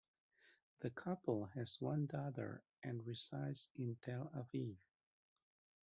The couple has one daughter and resides in Tel Aviv.